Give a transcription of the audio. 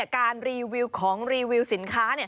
การรีวิวของรีวิวสินค้า